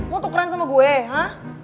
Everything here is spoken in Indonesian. mau tukeran sama gue ha